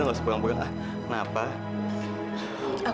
ya chords gak ada masalah denga dod